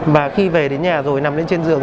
và khi về đến nhà rồi nằm lên trên giường